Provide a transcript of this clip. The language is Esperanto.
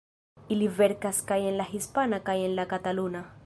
Ili verkas kaj en la hispana kaj en la kataluna.